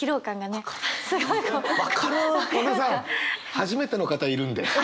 初めての方いるんで。